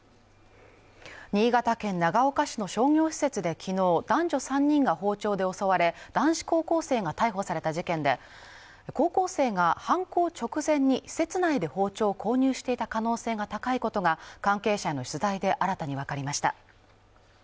新潟県長岡市の商業施設できのう男女３人が包丁で襲われ男子高校生が逮捕された事件で高校生が犯行直前に施設内で包丁を購入していた可能性が高いことが関係者への取材で新たに分かりました